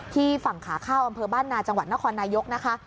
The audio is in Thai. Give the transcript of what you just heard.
ฝั่งขาเข้าอำเภอบ้านนาจังหวัดนครนายกนะคะ